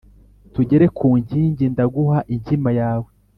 tugere ku nkingi ndaguha inkima yawe